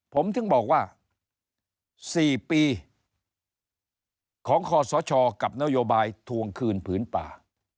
ผมถึงบอกว่า๔ปีของคอสชกับนโยบายทวงคืนผืนป่า